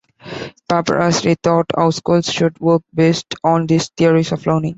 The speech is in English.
Papert has rethought how schools should work, based on these theories of learning.